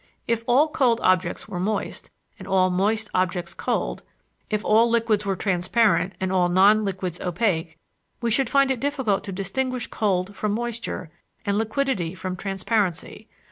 If all cold objects were moist, and all moist objects cold; if all liquids were transparent and all non liquids opaque, we should find it difficult to distinguish cold from moisture and liquidity from transparency.